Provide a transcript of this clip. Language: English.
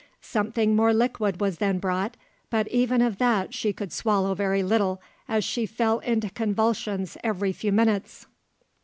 Something more liquid was then brought, but even of that she could swallow very little, as she fell into convulsions every few minutes.